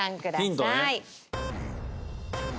ヒントね。